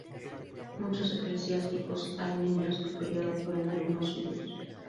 Muchos eclesiásticos armenios del periodo fueron alumnos suyos.